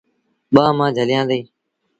ٻآݩهآݩ مآݩ جھليآݩدي۔